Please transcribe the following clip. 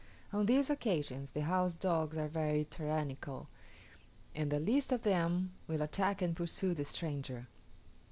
On these occasions the house dogs are very tyrannical, and the least of them will attack and pursue the stranger.